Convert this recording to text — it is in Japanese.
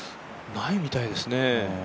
ないみたいですね。